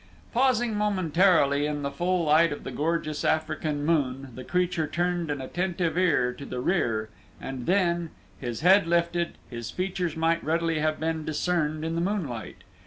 Pausing momentarily in the full light of the gorgeous African moon the creature turned an attentive ear to the rear and then, his head lifted, his features might readily have been discerned in the moonlight.